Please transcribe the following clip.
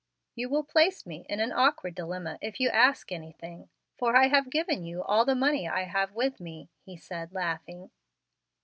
"You will place me in an awkward dilemma if you ask anything, for I have given you all the money I have with me," he said, laughing.